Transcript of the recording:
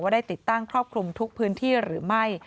ได้ติดตั้งครอบคลุมทุกพื้นที่หรือไม่